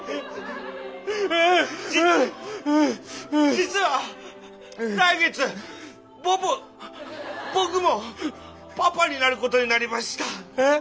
「実は来月ぼぼ僕もパパになることになりました」。え？